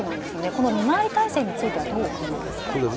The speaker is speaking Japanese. この見回り体制についてはどうお考えですか。